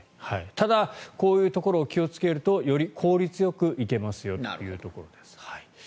ただ、こういうところを気をつけるとより効率よく行けますよというところです。